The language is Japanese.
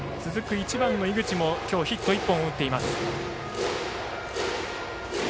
１番の井口も今日ヒット１本打っています。